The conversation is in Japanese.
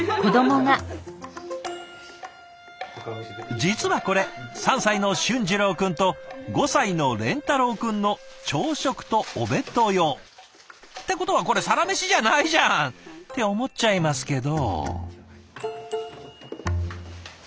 実はこれ３歳の峻次郎君と５歳の錬太郎君の朝食とお弁当用。ってことはこれサラメシじゃないじゃん！って思っちゃいますけど。